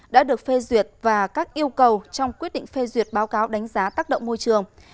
đã được phê duyệt và các yêu cầu trong quyết định phê duyệt báo cáo đánh giá tác động môi trường